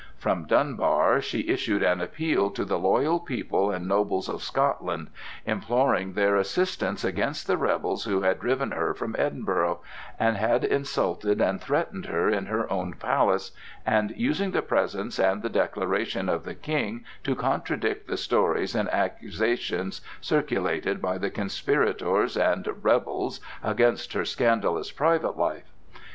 From Dunbar she issued an appeal to the loyal people and nobles of Scotland, imploring their assistance against the rebels who had driven her from Edinburgh and had insulted and threatened her in her own palace, and using the presence and the declaration of the King to contradict the stories and accusations circulated by the conspirators and "rebels" against her scandalous private life.